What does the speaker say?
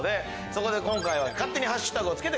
そこで今回は。